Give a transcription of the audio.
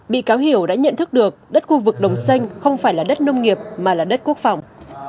bị cáo hiểu đã nhận thức được đất khu vực đồng xanh không phải là đất nông nghiệp mà là đất quốc phòng